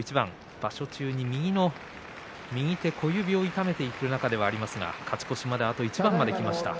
場所中に右手小指を痛めている中ではありますが勝ち越しまであと一番まできました。